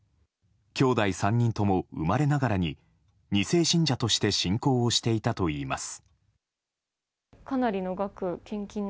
兄弟３人とも生まれながらに二世信者として信仰をしていたといいます。